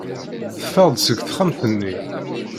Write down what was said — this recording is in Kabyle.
Teffeɣ-d seg texxamt-nni.